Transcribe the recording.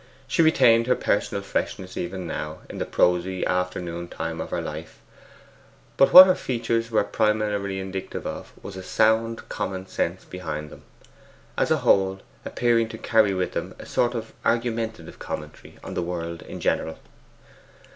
She retained her personal freshness even now, in the prosy afternoon time of her life; but what her features were primarily indicative of was a sound common sense behind them; as a whole, appearing to carry with them a sort of argumentative commentary on the world in general.